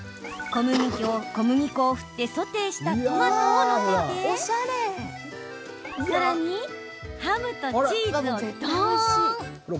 小麦粉を振ってソテーしたトマトを載せてさらに、ハムとチーズをどーん！